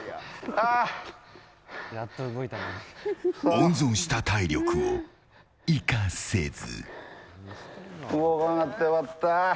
温存した体力を生かせず。